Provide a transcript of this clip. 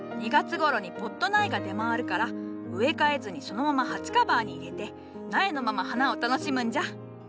２月ごろにポット苗が出回るから植え替えずにそのまま鉢カバーに入れて苗のまま花を楽しむんじゃ。